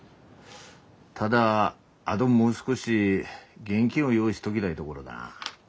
ただあどもう少し現金を用意しとぎだいどごろだなあ。